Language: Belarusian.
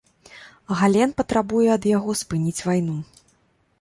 Гален патрабуе ад яго спыніць вайну.